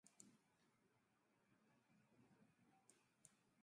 He contacted Hickman about getting the rights to the "Holey Crullers" scripts.